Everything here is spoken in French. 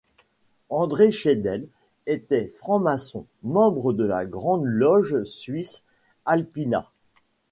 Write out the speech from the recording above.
André Chédel était franc-maçon, membre de la Grande Loge suisse Alpina.